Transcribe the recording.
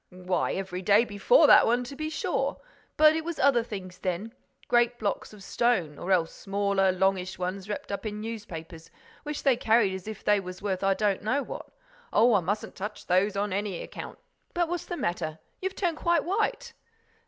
"Why every day before that one, to be sure! But it was other things then—great blocks of stone—or else smaller, longish ones, wrapped up in newspapers, which they carried as if they were worth I don't know what. Oh, I mustn't touch those on any account!—But what's the matter? You've turned quite white."